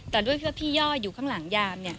แต่ด้วยเพื่อพี่ย่ออยู่ข้างหลังยาม